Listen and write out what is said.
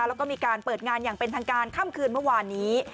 แล้วก็มีการเปิดงานอย่างเป็นทางการค่ำคืนเมื่อวานนี้